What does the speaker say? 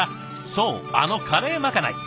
そうあのカレーまかない。